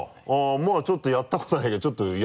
まぁちょっとやったことないけどちょっとやって。